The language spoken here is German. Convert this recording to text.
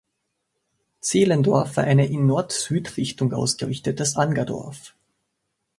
Zehlendorf war ein in Nord-Süd-Richtung ausgerichtetes Angerdorf.